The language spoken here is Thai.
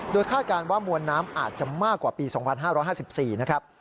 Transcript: คาดการณ์ว่ามวลน้ำอาจจะมากกว่าปี๒๕๕๔นะครับ